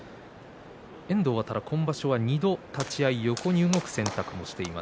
遠藤は今場所２度、立ち合い横に動く選択をしています。